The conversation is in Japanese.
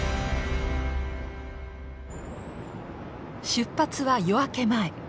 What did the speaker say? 出発は夜明け前。